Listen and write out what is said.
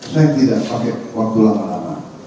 saya tidak pakai waktu lama lama